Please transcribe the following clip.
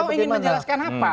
terus kau ingin menjelaskan apa